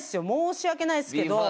申し訳ないですけど。